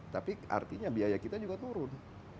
tapi artinya biaya kita juga turun